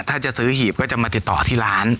ถ้าจะซื้อหีบก็จะมาติดต่อที่ร้าน